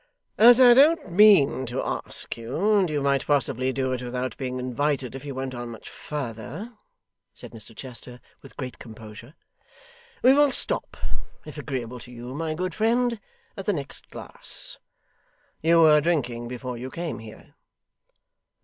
'As I don't mean to ask you, and you might possibly do it without being invited if you went on much further,' said Mr Chester with great composure, 'we will stop, if agreeable to you, my good friend, at the next glass. You were drinking before you came here.